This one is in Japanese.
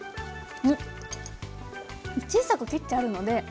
小さく切ってあるのであの。